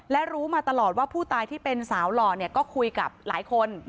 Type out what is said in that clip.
และรู้มาตลอดว่าผู้ตายที่เป็นสาวหล่อเนี่ยก็คุยกับหลายคน